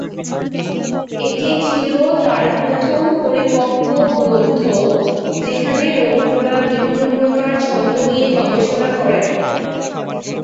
এটি ছিল তাঁর প্রথম পরিপক্ব গ্রন্থ যেখানে রবীন্দ্রনাথ বিভিন্ন প্রকার ছন্দ নিয়ে গবেষণা করেন।